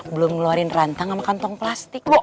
belum ngeluarin rantang sama kantong plastik